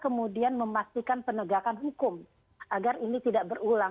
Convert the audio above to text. kemudian memastikan penegakan hukum agar ini tidak berulang